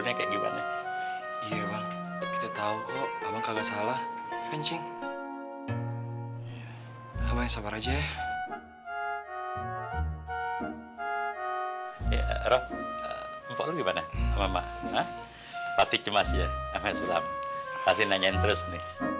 nanti nanyain terus nih